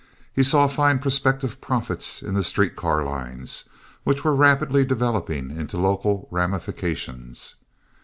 He saw fine prospective profits in the street car lines, which were rapidly developing into local ramifications.